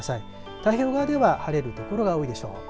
太平洋側では晴れるところが多いでしょう。